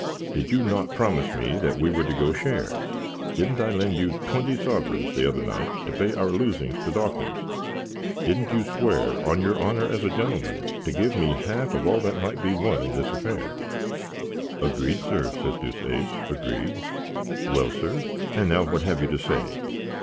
Did you not promise me that we were to go shares? Didn't I lend you twenty sovereigns the other night to pay our losings to Dawkins? Didn't you swear, on your honour as a gentleman, to give me half of all that might be won in this affair?" "Agreed, sir," says Deuceace; "agreed." "Well, sir, and now what have you to say?"